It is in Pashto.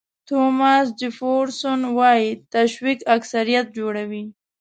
توماس جیفرسون وایي تشویق اکثریت جوړوي.